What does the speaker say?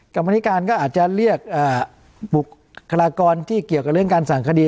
กรรมนิการก็อาจจะเรียกบุคลากรที่เกี่ยวกับเรื่องการสั่งคดี